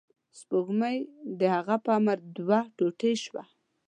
سپوږمۍ د هغه په امر دوه ټوټې شوه.